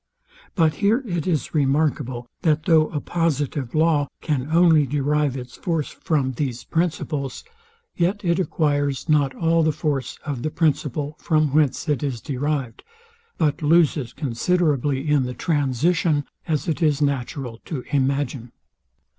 But here it is remarkable, that though a positive law can only derive its force from these principles, yet it acquires not all the force of the principle from whence it is derived, but loses considerably in the transition; as it is natural to imagine.